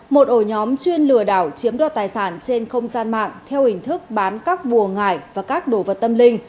một ổ nhóm chuyên lừa đảo chiếm đoạt tài sản trên không gian mạng theo hình thức bán các bùa ngải và các đồ vật tâm linh